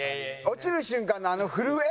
落ちる瞬間のあの震え。